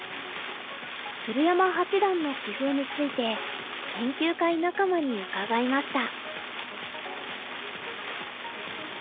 鶴山八段の棋風について研究会仲間に伺いました。